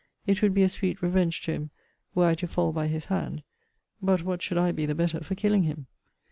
It would be a sweet revenge to him, were I to fall by his hand. But what should I be the better for killing him?